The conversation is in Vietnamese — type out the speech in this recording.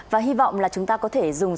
và hy vọng là chúng ta có thể dùng